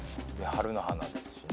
春の花ですしね。